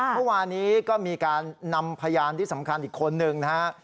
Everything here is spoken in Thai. เมื่อวานนี้ก็มีการนำพยานที่สำคัญอีกคนนึงนะฮะ